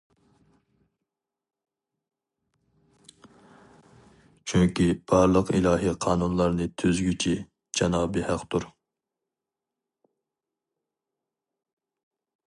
چۈنكى بارلىق ئىلاھى قانۇنلارنى تۈزگۈچى جانابى ھەقتۇر.